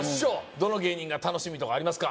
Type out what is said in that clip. どの芸人が楽しみとかありますか？